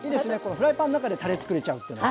フライパンの中でたれ作れちゃうってのは。